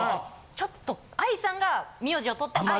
ちょっと愛さんが名字を取って愛。